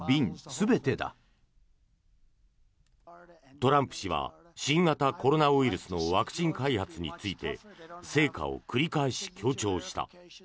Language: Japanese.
トランプ氏は新型コロナウイルスのワクチン開発について成果を繰り返し強調した。